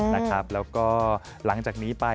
แล้วก็หลังจากนี้ไป